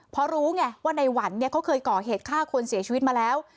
เพราะรู้ไงว่าในหวันเนี่ยเขาเคยก่อเหตุฆ่าคนเสียชีวิตมาแล้ว